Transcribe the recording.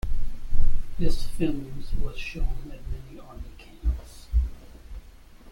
This films was shown at many Army Camps.